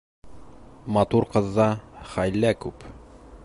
Матур ҡыҙҙа хәйлә күп.